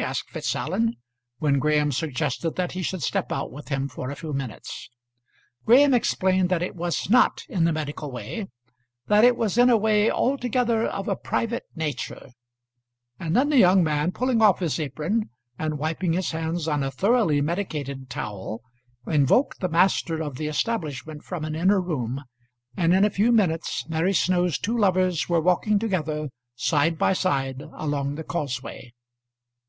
asked Fitzallen, when Graham suggested that he should step out with him for a few minutes. Graham explained that it was not in the medical way, that it was in a way altogether of a private nature; and then the young man, pulling off his apron and wiping his hands on a thoroughly medicated towel, invoked the master of the establishment from an inner room, and in a few minutes Mary Snow's two lovers were walking together, side by side, along the causeway.